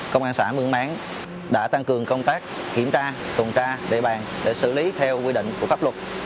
công an xã mương máng đã tăng cường công tác kiểm tra tuần tra địa bàn để xử lý theo quy định của pháp luật